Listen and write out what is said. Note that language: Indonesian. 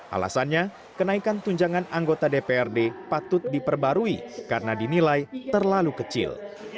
alasannya kenaikan tunjangan anggota dprd patut diperbarui karena dinilai terlalu kecil